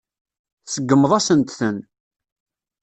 Tseggmeḍ-asent-ten.